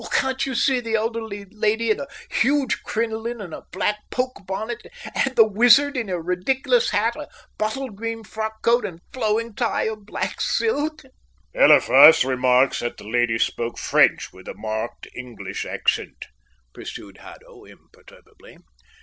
Can't you see the elderly lady in a huge crinoline and a black poke bonnet, and the wizard in a ridiculous hat, a bottle green frock coat, and a flowing tie of black silk?" "Eliphas remarks that the lady spoke French with a marked English accent," pursued Haddo imperturbably.